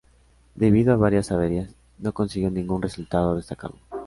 Debido a varias averías no consiguió ningún resultado destacado.